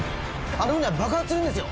あの船は爆発するんですよ